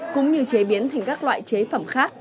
cũng như chế biến thành các loại chế phẩm khác